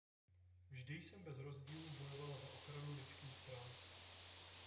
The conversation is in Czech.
Vždy jsem bez rozdílu bojovala za ochranu lidských práv.